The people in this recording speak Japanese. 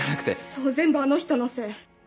そう全部あの人のせい。